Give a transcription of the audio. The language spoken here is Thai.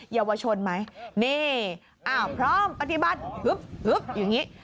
เยาวชนไหมพร้อมปฏิบัติอย่างนี้